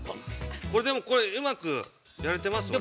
でも、これうまくやれてますよね。